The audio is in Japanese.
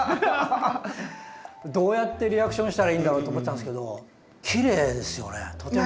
どうやってリアクションしたらいいんだろうと思ってたんですけどきれいですよねとても。